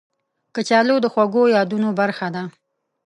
کچالو د خوږو یادونو برخه ده